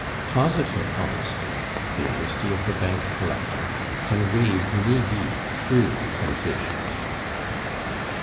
Positive honesty, the honesty of the bank collector, can wade knee deep through temptations.